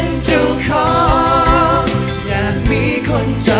ขอเชิญอาทิตย์สำคัญด้วยค่ะ